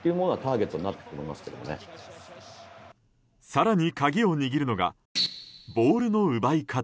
更に鍵を握るのがボールの奪い方。